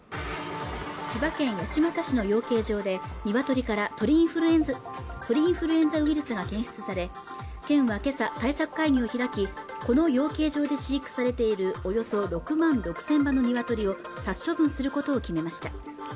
千葉県八街市の養鶏場でニワトリから鳥インフルエンザウイルスが検出され県は今朝対策会議を開きこの養鶏場で飼育されているおよそ６万６０００羽のニワトリを殺処分することを決めました